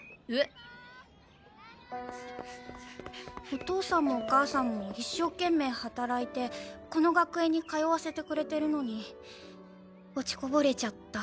お父さんもお母さんも一生懸命働いてこの学園に通わせてくれてるのに落ちこぼれちゃった。